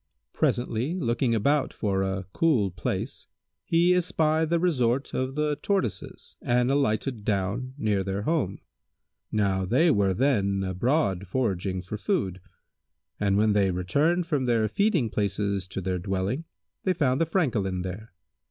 Presently, looking about for a cool place, he espied the resort of the Tortoises and alighted down near their home. Now they were then abroad foraging for food, and when they returned from their feeding places to their dwelling, they found the Francolin there.